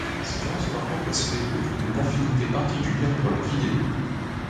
C'est durant ce parcours qu'elle se découvre une affinité particulière pour la vidéo.